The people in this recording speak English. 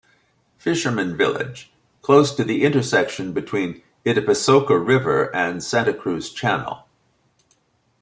Fishermen village, close to the intersection between Itapessoca River and Santa Cruz channel.